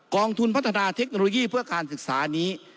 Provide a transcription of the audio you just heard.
องทุนพัฒนาเทคโนโลยีเพื่อการศึกษานี้